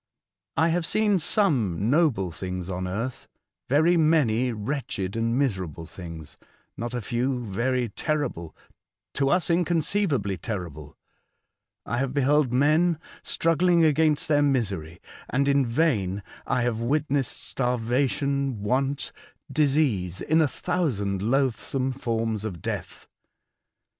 I have seen some noble things on earth, very many wretched and miserable things ; not a few, very terrible — to us inconceivably terrible. I Earth as Others see it. 85 have beheld men struggling against their misery, and in vain ; I have witnessed starva tion, want, disease in a thousand loathsome forms of death.